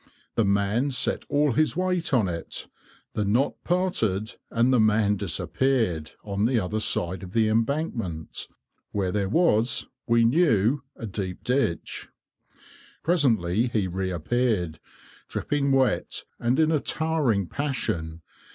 The man set all his weight on it, the knot parted, and the man disappeared on the other side of the embankment, where there was, we knew, a deep ditch. Presently he reappeared, dripping wet, and in a towering passion.